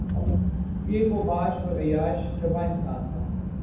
یہ ایک اوباش اور عیاش طبع انسان تھا